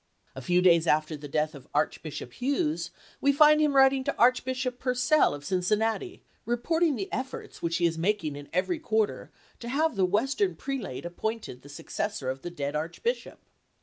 A few days after the death of Archbishop Hughes, we find him writing to Archbishop Purcell of Cin cinuati, reporting the efforts which he is making in to Purcell, every quarter to have the Western prelate appointed Ibid., p. 568: the successor of the dead archbishop.